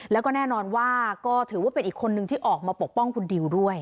แล้วก็แน่นอนว่าก็ถือว่าเป็นอีกคนนึงที่ออกมาปกป้องคุณดิวด้วย